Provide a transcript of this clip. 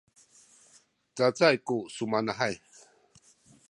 cacay ku sumanahay